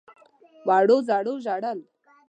وړو _زړو ژړل.